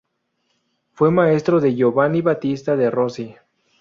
Fue maestro de Giovanni Battista de Rossi.